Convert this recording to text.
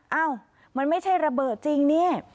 เอ้ามันไม่ใช่ระเบิดจริงนี่